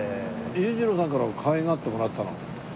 裕次郎さんからかわいがってもらったの？